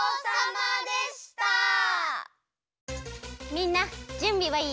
みんなじゅんびはいい？